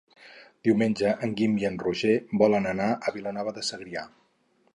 Diumenge en Guim i en Roger volen anar a Vilanova de Segrià.